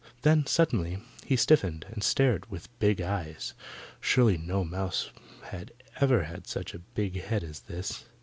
Then suddenly he stiffened and stared with big eyes. Surely no mouse had ever had such a big head as that.